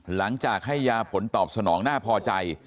หลังจากให้ยาผลตอบสนองน่าพอใจ